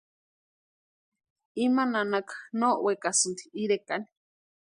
Ima nanaka no wekasïnti irekani.